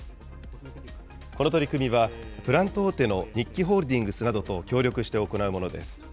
この取り組みはプラント大手の日揮ホールディングスなどと協力して行うものです。